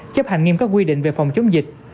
chấp hành nghiêm các quy định về phòng chống dịch